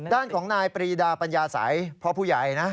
ด้านของนายปรีดาปัญญาสัยพ่อผู้ใหญ่นะ